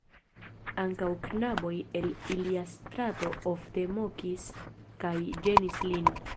Ankaŭ knaboj el ilia strato ofte mokis kaj ĝenis lin.